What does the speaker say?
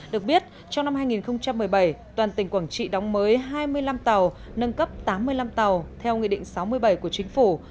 được biết trong năm hai nghìn một mươi bảy toàn tỉnh quảng trị đóng mới hai mươi năm tàu nâng cấp tám mươi năm tàu theo nghị định sáu mươi bảy của chính phủ